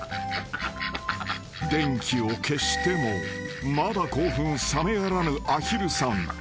［電気を消してもまだ興奮冷めやらぬアヒルさん］